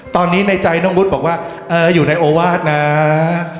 ตอนนี้ในใจน้องกุศบอกว่าเอ่ออยู่ในโอวาร์ดน่า